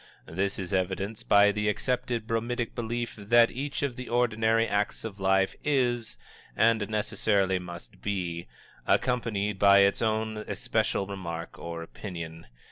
This is evidenced by the accepted bromidic belief that each of the ordinary acts of life is, and necessarily must be, accompanied by its own especial remark or opinion.